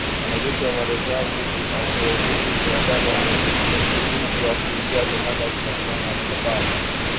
Wanajeshi wa Marekani wasiozidi mia tano wameidhinishwa kuingia Somalia kukabiliana na Al Shabaab